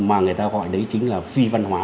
mà người ta gọi đấy chính là phi văn hóa